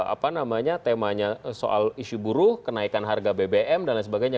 apa namanya temanya soal isu buruh kenaikan harga bbm dan lain sebagainya